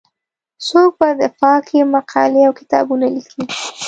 څوک په دفاع کې مقالې او کتابونه لیکي.